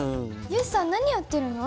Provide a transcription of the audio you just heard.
よしさん何やってるの？